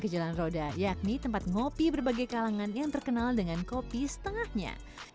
jalan roda yakni tempat ngopi berbagai kalangan yang terkenal dengan kopi setengahnya